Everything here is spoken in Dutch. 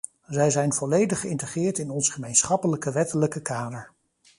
Zij zijn volledig geïntegreerd in ons gemeenschappelijke wettelijke kader.